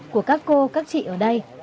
của các cô các chị ở đây